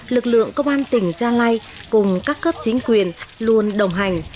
lực lượng công an tỉnh gia lai cùng các cấp chính quyền luôn đồng hành